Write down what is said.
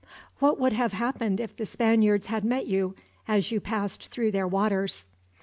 "What would have happened if the Spaniards had met you, as you passed through their waters?"